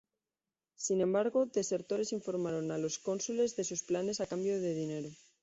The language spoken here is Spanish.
Sin embargo, desertores informaron a los cónsules de sus planes a cambio de dinero.